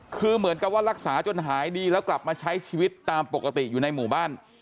คือเหมือนกับว่ารักษาจนหายดีแล้วกลับมาใช้ชีวิตตามปกติอยู่ในหมู่บ้าน